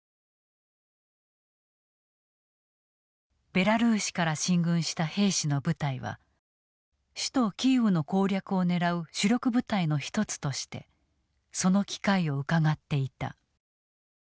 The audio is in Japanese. ベラルーシから進軍した兵士の部隊は首都キーウの攻略を狙う主力部隊の一つとしてその機会をうかがっていた。